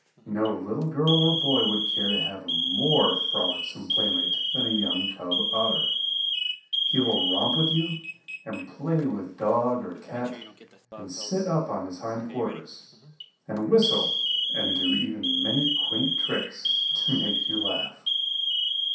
No little girl or boy would care to have a more frolicsome playmate than a young cub Otter. He will romp with you, and play with Dog or Cat and sit up on his hindquarters, and whistle and do even many quaint tricks to make you laugh.